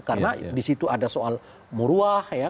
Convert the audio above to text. karena di situ ada soal muruah ya